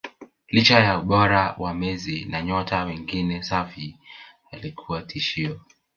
Licha ya ubora wa Messi na nyota wengine Xavi alikuwa tishio